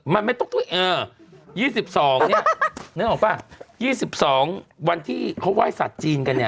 มันไม่ต้องเออ๒๒เนี่ยนึกออกป่ะ๒๒วันที่เขาไหว้สัตว์จีนกันเนี่ย